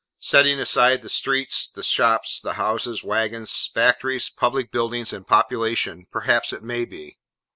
Setting aside the streets, the shops, the houses, waggons, factories, public buildings, and population, perhaps it may be.